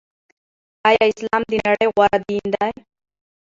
آيا اسلام دنړۍ غوره دين دې